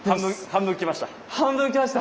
半分きました。